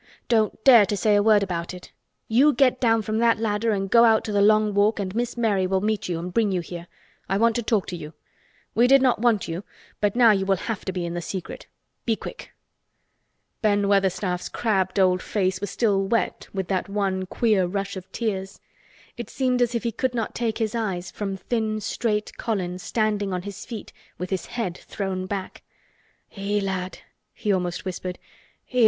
Don't dare to say a word about it! You get down from that ladder and go out to the Long Walk and Miss Mary will meet you and bring you here. I want to talk to you. We did not want you, but now you will have to be in the secret. Be quick!" Ben Weatherstaff's crabbed old face was still wet with that one queer rush of tears. It seemed as if he could not take his eyes from thin straight Colin standing on his feet with his head thrown back. "Eh! lad," he almost whispered. "Eh!